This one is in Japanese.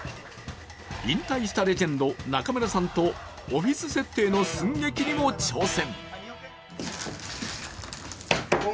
引退したレジェンド、中村さんとオフィス設定の寸劇にも挑戦。